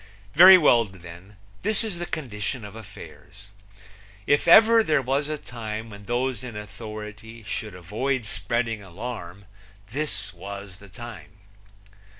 Very well, then, this is the condition of affairs. If ever there was a time when those in authority should avoid spreading alarm this was the time.